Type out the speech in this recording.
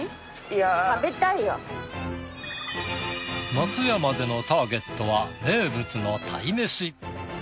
松山でのターゲットは名物の鯛めし。